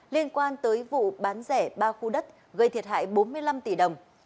liên quan tới vụ bán rẻ ba khu đất gây thiệt hại bốn mươi năm tỷ đồng